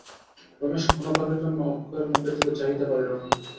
রমেশ ক্ষণকালের জন্য অক্ষয়ের মুখের দিকে চাহিতে পারিল না।